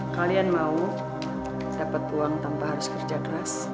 kalian mau dapat uang tanpa harus kerja keras